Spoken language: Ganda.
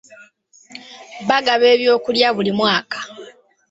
Bagaba ebyokulya buli mwaka.